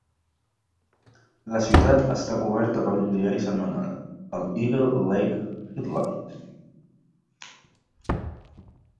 La ciutat està coberta per un diari setmanal, el "Eagle Lake Headlight".